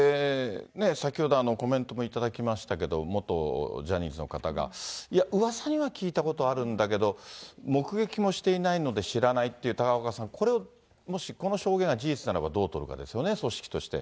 先ほど、コメントも頂きましたけども、元ジャニーズの方が、いや、うわさには聞いたことあるんだけど、目撃もしていないので、知らないって、高岡さん、これをもし、この証言が事実ならばどう取るかですよね、組織として。